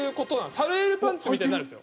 サルエルパンツみたいになるんですよ。